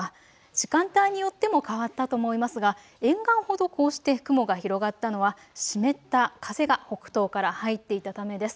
時間帯によっても変わったと思いますが沿岸ほどこうして雲が広がったのは湿った風が北東から入っていたためです。